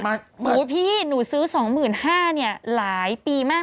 โอ้โฮพี่หนูซื้อ๒๕๐๐๐บาทหลายปีมาก